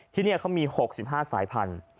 ที่นี่เขามี๖๕สายพันธุ